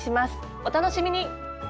お楽しみに！